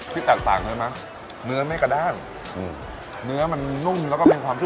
ที่แตกต่างเลยไหมเนื้อไม่กระด้างอืมเนื้อมันนุ่มแล้วก็เป็นความที่